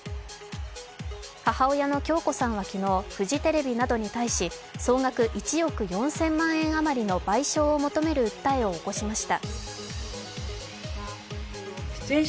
母親の響子さんは昨日、フジテレビなどに対し総額１億４０００万円あまりの賠償を求める訴えを起こしました。